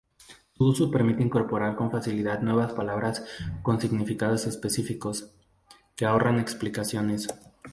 Su uso permite incorporar con facilidad nuevas palabras con significados específicos, que ahorran explicaciones.